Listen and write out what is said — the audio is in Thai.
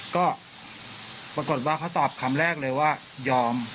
ก็ปรากฏว่าเขาตอบคำแรกเลยว่ายอม